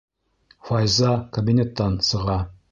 Файза кабинеттан сыға.